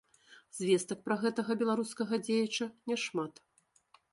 Звестак пра гэтага беларускага дзеяча няшмат.